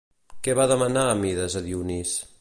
Què va demanar Mides a Dionís?